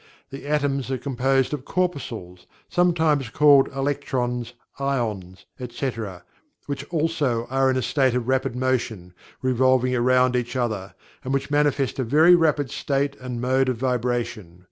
The atoms are composed of Corpuscles, sometimes called "electrons," "ions," etc., which also are in a state of rapid motion, revolving around each other, and which manifest a very rapid state and mode of vibration.